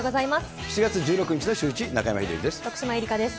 ７月１６日のシューイチ、徳島えりかです。